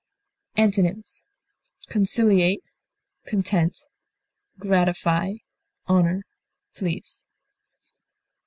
Antonyms: conciliate, content, gratify, honor, please.